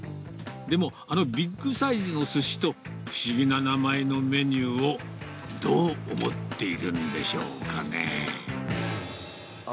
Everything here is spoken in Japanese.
でも、あのビッグサイズのすしと、不思議な名前のメニューをどう思っているんでしょうかね。